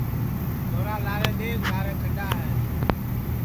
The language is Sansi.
چھورا لارے دؔیکھ لارے کھڈؔا ہے